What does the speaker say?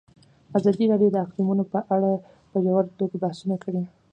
ازادي راډیو د اقلیتونه په اړه په ژوره توګه بحثونه کړي.